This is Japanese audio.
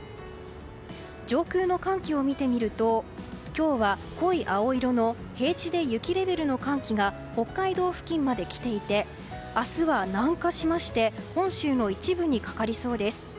上空の寒気を見てみると今日は濃い青色の平地で雪レベルの寒気が北海道付近まで来ていて明日は南下しまして本州の一部にかかりそうです。